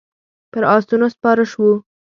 پر آسونو سپاره شوو.